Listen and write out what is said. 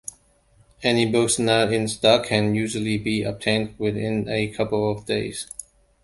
Any books not in stock can usually be obtained within a couple of days.